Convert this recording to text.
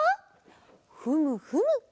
ふむふむ。